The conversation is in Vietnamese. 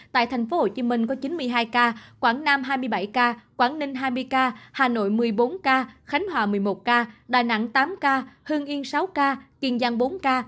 tại tp hcm có chín mươi hai ca quảng nam hai mươi bảy ca quảng ninh hai mươi ca hà nội một mươi bốn ca khánh hòa một mươi một ca đà nẵng tám ca hưng yên sáu ca kiên giang bốn ca